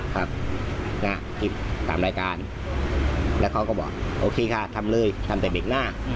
ครับนะคลิปตามรายการแล้วเขาก็บอกโอเคค่ะทำเลยทำแต่เบรกหน้า